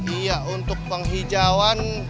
iya untuk penghijauan